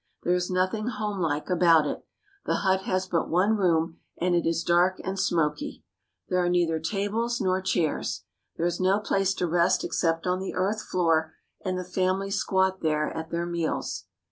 There is nothing homelike about it. The hut has but one room, and it is dark and smoky. There are neither tables Fuel Gatherers. nor chairs. There is no place to rest except on the earth floor, and the family squat there at their meals.